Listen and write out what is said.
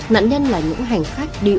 nạn nhân là những hành khách điên